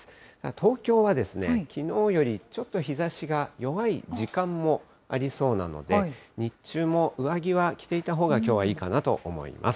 東京はきのうよりちょっと日ざしが弱い時間もありそうなので、日中も上着は着ていたほうが、きょうはいいかなと思います。